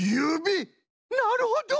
なるほど！